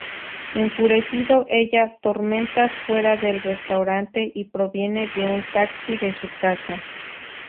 Enfurecido ella tormentas fuera del restaurante y proviene de un taxi de su casa.